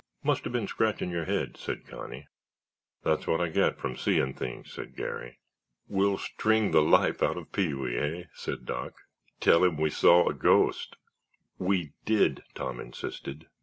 "Must have been scratching your head," said Connie. "That's what I get from seein' things," said Garry. "We'll string the life out of Pee wee, hey?" said Doc. "Tell him we saw a ghost——" "We did," Tom insisted.